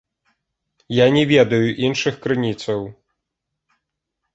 Я не ведаю іншых крыніцаў.